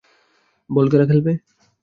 বল খেলা খেলবে?